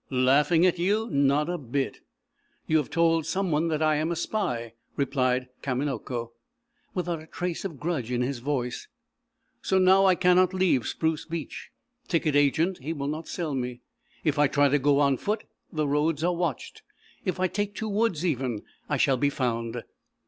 "Laughing at you? Not a bit!" "You have told some one that I am a spy," replied Kamanako, without a trace of grudge in his voice. "So now, I cannot leave Spruce Beach. Ticket agent, he will not sell me. If I try to go on foot, the roads are watched. If I take to woods, even, I shall be found."